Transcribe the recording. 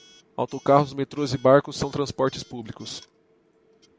Autocarros, metros e barcos são transportes públicos.